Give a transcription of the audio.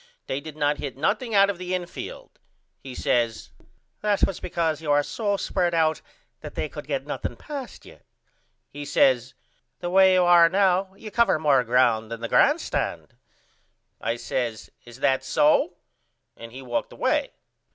they did not hit nothing out of the infield. He says That was because you are so spread out that they could not get nothing past you. He says The way you are now you cover more ground than the grand stand. I says Is that so? And he walked away.